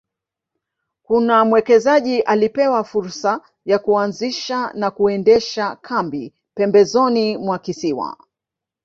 Kuna mwekezaji alipewa fursa ya kuanzisha na kuendesha kambi pembezoni mwa kisiwa